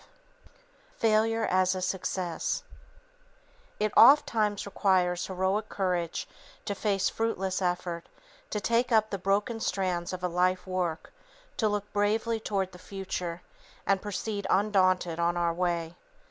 V Failure as a Success It ofttimes requires heroic courage to face fruitless effort, to take up the broken strands of a life work, to look bravely toward the future, and proceed undaunted on our way.